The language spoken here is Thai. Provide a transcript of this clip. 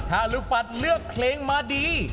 ถ้าลุงปัดเลือกเพลงมาดี